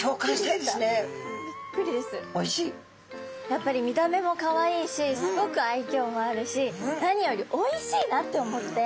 やっぱり見た目もかわいいしスゴくあいきょうもあるし何よりおいしいなと思って。